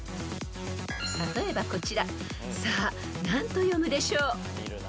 ［例えばこちらさあ何と読むでしょう？］